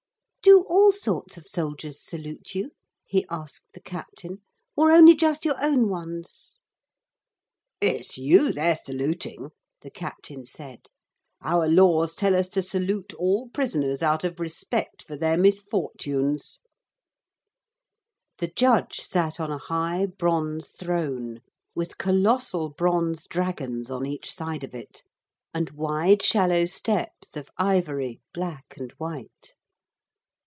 'Do all sorts of soldiers salute you?' he asked the captain, 'or only just your own ones?' 'It's you they're saluting,' the captain said; 'our laws tell us to salute all prisoners out of respect for their misfortunes.' The judge sat on a high bronze throne with colossal bronze dragons on each side of it, and wide shallow steps of ivory, black and white.